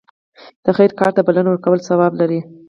د خیر کار ته بلنه ورکول ثواب لري.